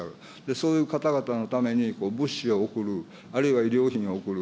そういう方々のために物資を送る、あるいはいりょう品を送る。